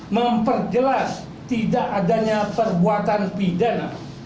memperjelas tidak adanya perbuatan pidana